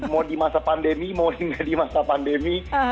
mau di masa pandemi mau nggak di masa pandemi